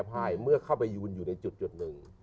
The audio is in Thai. จะแพ้ภายเมื่อเข้าไปแต่อยู่ในจุดหนึ่ง